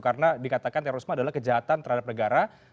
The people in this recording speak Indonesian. karena dikatakan terorisme adalah kejahatan terhadap negara